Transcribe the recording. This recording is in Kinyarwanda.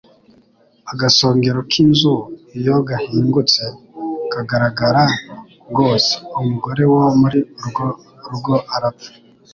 Agasongero k’inzu iyo gahingutse kakagaragara rwose, umugore wo muri urwo rugo arapfa